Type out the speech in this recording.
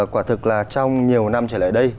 quả thực là trong nhiều năm trở lại đây